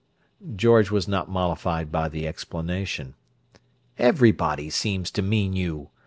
George was not mollified by the explanation. "Everybody seems to mean you!